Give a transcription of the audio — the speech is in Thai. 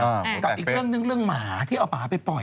กับอีกเรื่องนึงเรื่องหมาที่เอาหมาไปปล่อย